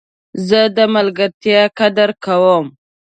زه د ملګرتیا قدر کوم.